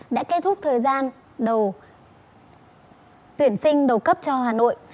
đã kết thúc thời gian đầu tuyển sinh đầu cấp cho hà nội